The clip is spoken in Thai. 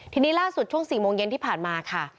ทีนี้ล่าสุดช่วง๔โมงเย็นที่ผ่านมาค่ะ